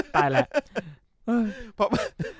ตายแล้ว